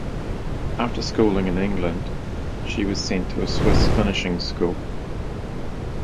After schooling in England she was sent to a Swiss finishing school.